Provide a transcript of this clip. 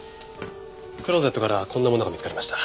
クローゼットからこんなものが見つかりました。